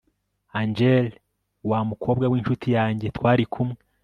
Angel wamukobwa winshuti yanjye twari kumwe